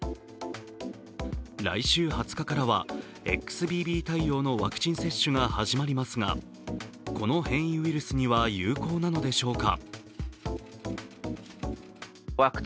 来週２０日からはＸＢＢ対応のワクチン接種が始まりますが、この変異ウイルスには有効なのでしょうか？